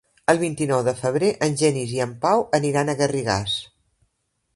El vint-i-nou de febrer en Genís i en Pau aniran a Garrigàs.